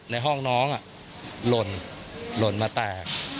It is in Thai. ในห้องน้องหล่นมาแตก